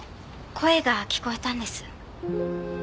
声が聞こえたんです。